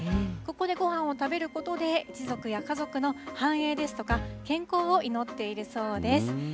ここでごはんを食べることで、一族や家族の繁栄ですとか、健康を祈っているそうです。